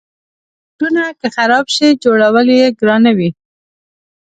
بوټونه که خراب شي، جوړول یې ګرانه وي.